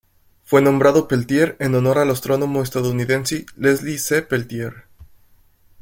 Fue nombrado Peltier en honor al astrónomo estadounidense Leslie C. Peltier.